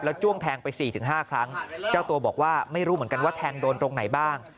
จ้วงแทงไป๔๕ครั้งเจ้าตัวบอกว่าไม่รู้เหมือนกันว่าแทงโดนตรงไหนบ้าง